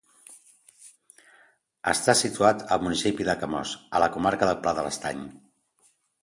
Està situat al municipi de Camós, a la comarca del Pla de l’Estany.